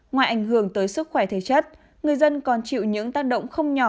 ngoài ảnh hưởng tới sức khỏe thể chất người dân còn chịu những tác động không nhỏ